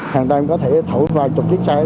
hàng đêm có thể thẩm vấn vài chục chiếc xe